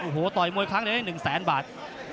โอ้โหต่อยมวยครั้งเดี๋ยวได้๑๐๐๐๐๐บาท